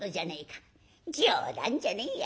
冗談じゃねえや。